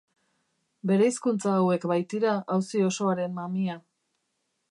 Bereizkuntza hauek baitira auzi osoaren mamia.